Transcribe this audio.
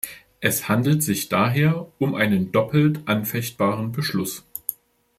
Es handelt sich daher um einen doppelt anfechtbaren Beschluss.